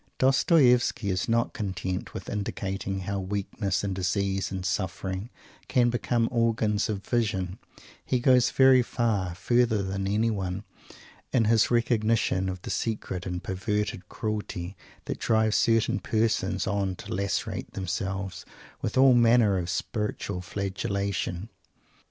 Dostoievsky is not content with indicating how weakness and disease and suffering can become organs of vision; he goes very far further than anyone in his recognition of the secret and perverted cruelty that drives certain persons on to lacerate themselves with all manner of spiritual flagellation.